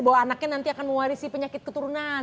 bahwa anaknya nanti akan mewarisi penyakit keturunan